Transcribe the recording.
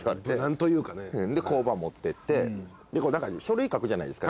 で交番持ってって書類書くじゃないですか